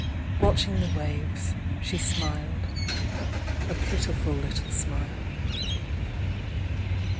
Watching the waves, she smiled,— a pitiful little smile.